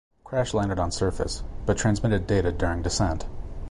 Crash-landed on surface, but transmitted data during descent.